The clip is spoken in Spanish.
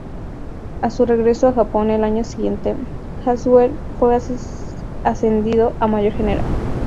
A su regreso a Japón el año siguiente, Hasegawa fue ascendido a mayor general.